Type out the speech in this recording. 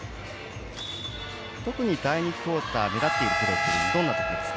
特に第２クオーター目立っているプレーはどんなところですか？